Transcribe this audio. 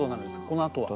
このあとは。